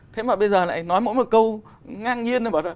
thế mà bây giờ lại nói mỗi một câu ngang nhiên